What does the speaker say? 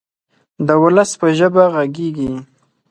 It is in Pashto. د ولس په ژبه غږیږي.